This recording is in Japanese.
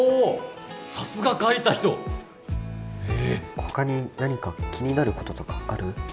さすが書いた人へえ他に何か気になることとかある？